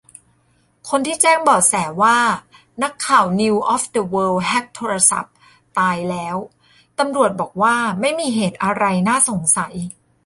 คนที่แจ้งเบาะแสว่านักข่าวนิวส์ออฟเดอะเวิลด์แฮ็กโทรศัพท์ ตายแล้ว ตำรวจบอกว่าไม่มีเหตุอะไรน่าสงสัย